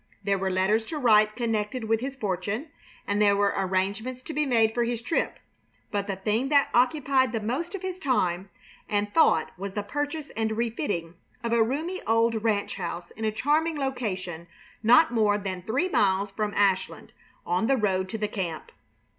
There were letters to write connected with his fortune, and there were arrangements to be made for his trip. But the thing that occupied the most of his time and thought was the purchase and refitting of a roomy old ranch house in a charming location, not more than three miles from Ashland, on the road to the camp.